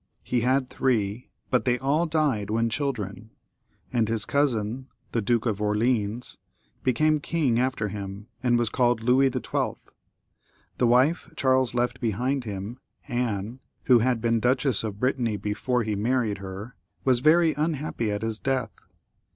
He had three, but they all died as children, and his cousin, the Duke of Orleans, became king after him, and was called Louis XII. The wife Charles had left behind him, Anne, who had been Duchess of Brittany before he married her, was very unhappy at his death.